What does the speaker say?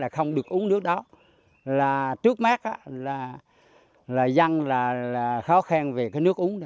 không được uống nước đó trước mắt là dân khó khen về nước uống